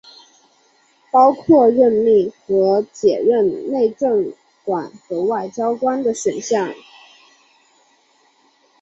包括任命和解任内政管和外交官的选项。